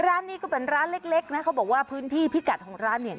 ร้านนี้ก็เป็นร้านเล็กนะเขาบอกว่าพื้นที่พิกัดของร้านเนี่ย